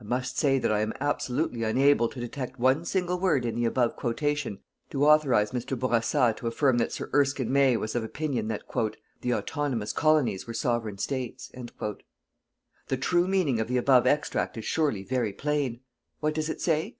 I must say that I am absolutely unable to detect one single word in the above quotation to authorize Mr. Bourassa to affirm that Sir Erskine May was of opinion that "the autonomous colonies were Sovereign States." The true meaning of the above extract is surely very plain. What does it say?